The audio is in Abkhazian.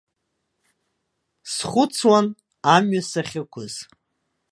Схәыцуан амҩа сахьықәыз.